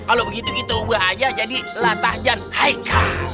kalau begitu kita ubah aja jadi latahjan haikal